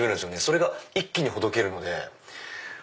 それが一気にほどけるので。